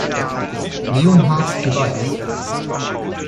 Leonhard geweiht.